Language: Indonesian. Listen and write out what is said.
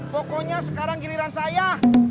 pokoknya sekarang giliran saya